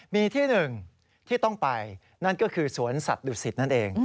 มีที่หนึ่งที่ต้องไปนั่นก็คือสวนสัตว์ดุสิตนั่นเอง